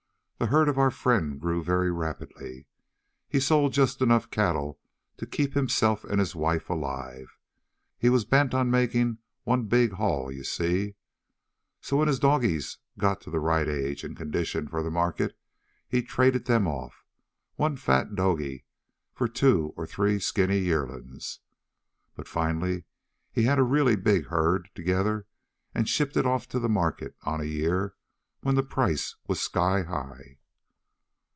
The herd of our friend grew very rapidly. He sold just enough cattle to keep himself and his wife alive; he was bent on making one big haul, you see. So when his doggies got to the right age and condition for the market, he'd trade them off, one fat doggie for two or three skinny yearlings. But finally he had a really big herd together, and shipped it off to the market on a year when the price was sky high."